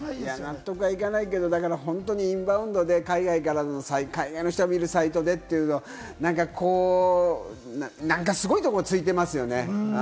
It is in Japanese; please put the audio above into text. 納得いかないけれども、インバウンドで海外からの、海外の人が見るサイトでというのはね、なんかこう、なんかすごいところをついてますよね。